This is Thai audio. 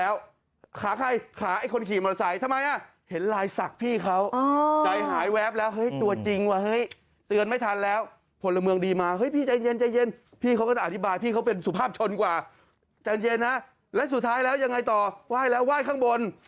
ว่ายข้างบนแล้วลงไปซุดว่ายข้างล่าง